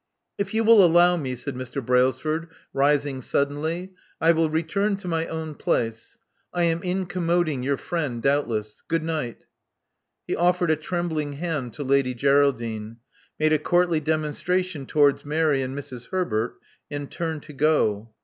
If you will allow me," said Mr. Brailsford, rising suddenly, I will return to my own place. I am incom moding your friend, doubtless. Good night" He offered a trembling hand. to Lady Greraldine; made a courtly demonstration towards Mary and Mrs. Herbert ; and turned to go.